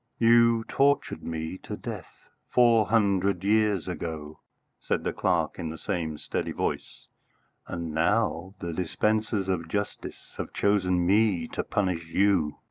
"You tortured me to death four hundred years ago," said the clerk in the same steady voice, "and now the dispensers of justice have chosen me to punish you."